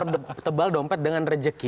kita mempertebal dompet dengan rezeki